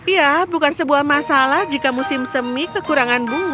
ya bukan sebuah masalah jika musim semi kekurangan bunga